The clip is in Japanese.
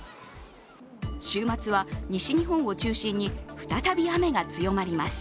週末は、西日本を中心に再び雨が強まります。